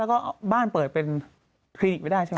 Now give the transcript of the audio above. แล้วก็บ้านเปิดเป็นคลินิกไม่ได้ใช่ไหม